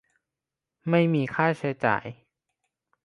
ไม่มีค่าใช้จ่าย